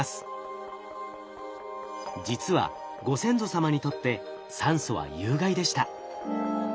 実はご先祖様にとって酸素は有害でした。